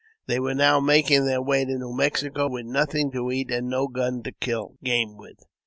They were now making their way to New Mexico, with nothing to eat and no gun to kill game with.